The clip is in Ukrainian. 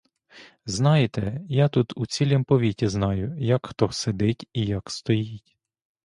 Знаєте, я тут у цілім повіті знаю, як хто сидить і як стоїть.